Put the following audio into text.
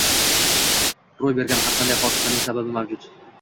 Ro’y bergan har qanday hodisaning sababi mavjud.